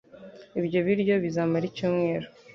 Ibyo biryo bizamara icyumweru.